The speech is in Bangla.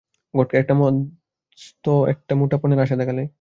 ঘটক একদা মস্ত একটা মোটা পণের আশা দেখালে।